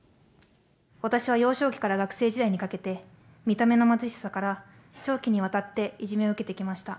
私は幼少期から学生時代にかけて、見た目の貧しさから、長期にわたっていじめを受けてきました。